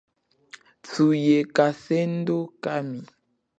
Thuye kasendo kami.